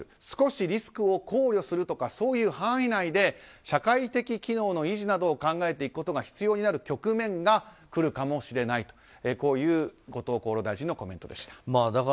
少しリスクを考慮するとかそういう範囲内で社会的機能の維持などを考えていくことが必要になる局面が来るかもしれないという後藤厚労大臣のコメントでした。